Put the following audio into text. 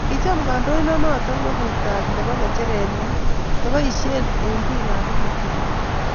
Kicham kandoindet noto nguvut ab nebo ngecheret nyi neboishei eng bik ab polatet nyi.